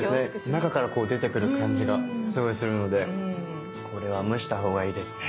中からこう出てくる感じがすごいするのでこれは蒸したほうがいいですね。